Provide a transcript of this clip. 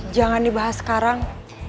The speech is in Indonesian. jangan dibahas sekarang